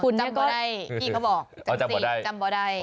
จำก็ได้พี่ก็บอก